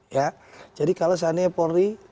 ya jadi kalau seandainya bang rabai mencoba lakuin keen slogan